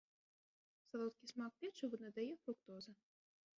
Салодкі смак печыву надае фруктоза.